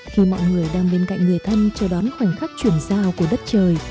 khi mọi người đang bên cạnh người thân chờ đón khoảnh khắc chuyển giao của đất trời